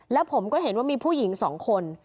แล้วผมก็เห็นว่ามีผู้หญิง๒คน